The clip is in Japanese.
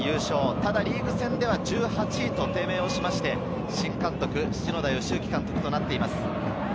ただ、リーグ戦では１８位と低迷して、新監督・篠田善之監督となっています。